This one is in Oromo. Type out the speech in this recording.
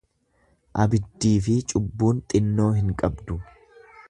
Abiddiifi cubbuun xinnoo hin qabdu.